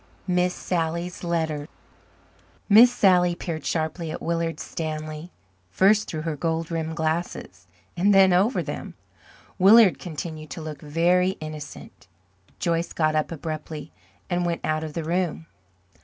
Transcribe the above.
Miss Sally's Letter Miss Sally peered sharply at Willard Stanley, first through her gold rimmed glasses and then over them. Willard continued to look very innocent. Joyce got up abruptly and went out of the room.